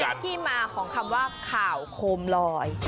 และที่มาของคำว่าข่าวโคมลอย